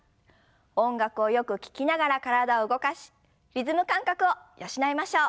音楽をよく聞きながら体を動かしリズム感覚を養いましょう。